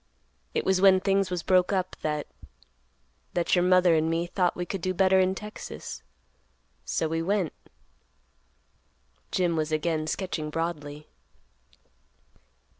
It was when things was broke up, that—that your mother and me thought we could do better in Texas; so we went," Jim was again sketching broadly.